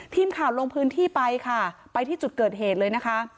ทีมข่าวลงพื้นที่ไปค่ะไปที่จุดเกิดเหตุเลยนะคะ